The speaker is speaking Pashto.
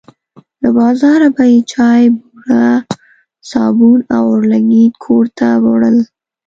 له بازاره به یې چای، بوره، صابون او اورلګیت کور ته وړل.